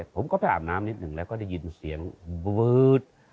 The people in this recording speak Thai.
ผมก็ไปอาบน้ำนิดหนึ่งแล้วก็ได้ยินเสียงบื๊ด